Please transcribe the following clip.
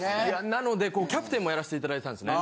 なのでキャプテンもやらせて頂いてたんですね。